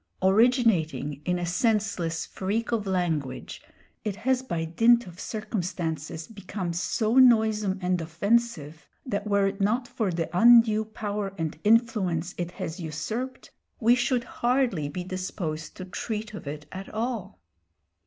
Originating in a senseless freak of language, it has by dint of circumstances become so noisome and offensive, that were it not for the undue power and influence it has usurped, we should hardly be disposed to treat of it at all.